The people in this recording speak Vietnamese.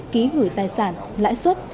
ký gửi tài sản lãi suất